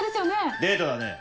デートだね。